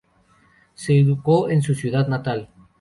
Se educó en su ciudad natal.